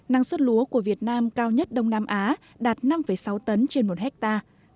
năng suất lúa của việt nam cao nhất đông nam á đạt năm sáu tấn trên một hectare